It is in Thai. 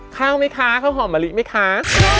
ข้าวไหมคะข้าวหอมมะลิไหมคะ